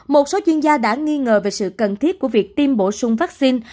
một số chuyên gia đã nghi ngờ về sự cần thiết của việc tiêm bổ sung vaccine